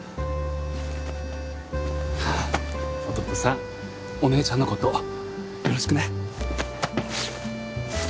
弟さんお姉ちゃんの事よろしくね。